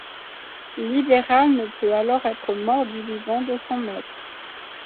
Libéral ne peut alors être mort du vivant de son maître.